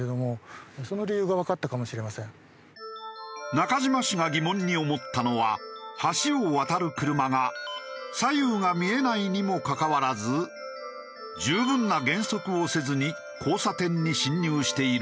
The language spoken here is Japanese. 中島氏が疑問に思ったのは橋を渡る車が左右が見えないにもかかわらず十分な減速をせずに交差点に進入している事。